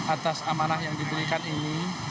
atas amanah yang diberikan ini